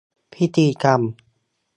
พิธีกรรม